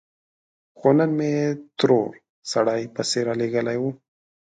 خو نن مې ترور سړی پسې رالېږلی و.